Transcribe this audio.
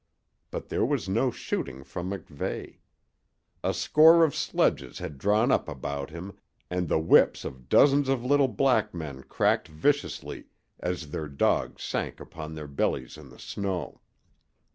But there was no shooting from MacVeigh. A score of sledges had drawn up about him, and the whips of dozens of little black men cracked viciously as their dogs sank upon their bellies in the snow.